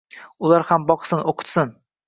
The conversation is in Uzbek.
Ular ham boqsin, o`qitsin